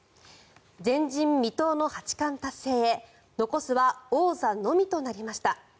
前人未到の八冠達成へ残すは王座のみとなりました。